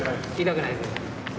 痛くないです。